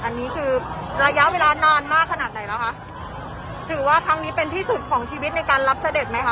อันนี้คือระยะเวลานานมากขนาดไหนแล้วคะถือว่าครั้งนี้เป็นที่สุดของชีวิตในการรับเสด็จไหมคะ